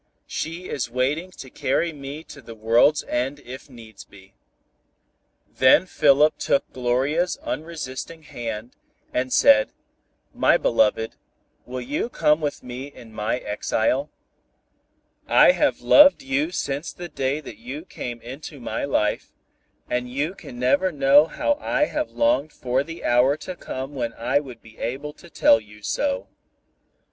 She is waiting to carry me to the world's end if needs be." Then Philip took Gloria's unresisting hand, and said, "My beloved, will you come with me in my exile? I have loved you since the day that you came into my life, and you can never know how I have longed for the hour to come when I would be able to tell you so.